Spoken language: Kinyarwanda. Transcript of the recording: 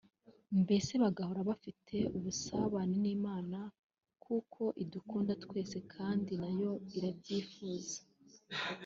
Mbese bagahora bafite ubusabane (Relationship) n’Imana kuko idukunda twese kandi na yo irabyifuza